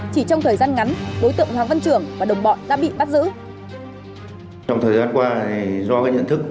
chỉ trong thời gian ngắn đối tượng hoàng văn trưởng và đồng bọn đã bị bắt giữ